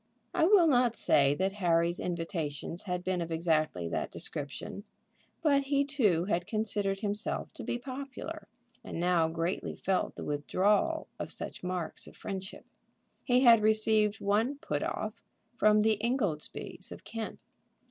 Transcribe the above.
I will not say that Harry's invitations had been of exactly that description; but he too had considered himself to be popular, and now greatly felt the withdrawal of such marks of friendship. He had received one "put off" from the Ingoldsbys of Kent.